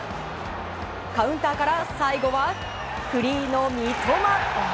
カウンターから最後はフリーの三笘。